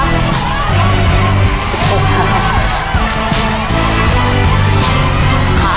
๑๐ครับ